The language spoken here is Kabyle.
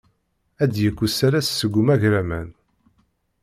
Ad d-yekk usalas seg umagraman.